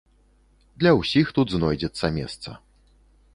Для ўсіх тут знойдзецца месца.